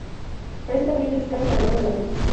Presenta pequeñas escalas a lo largo de las venas.